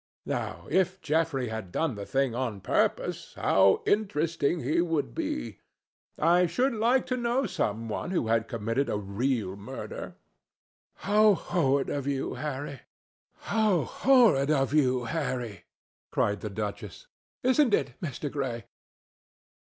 Now if Geoffrey had done the thing on purpose, how interesting he would be! I should like to know some one who had committed a real murder." "How horrid of you, Harry!" cried the duchess. "Isn't it, Mr. Gray?